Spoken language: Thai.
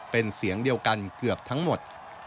เป็นเสียงเดียวกันเกือบทั้งหมด